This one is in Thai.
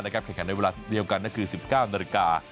นะครับแข่งขันในเวลาเดียวกันนั่นคือ๑๙นาฬิกา